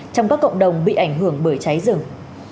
trong các cộng đồng bị ảnh hưởng bởi cháy rừng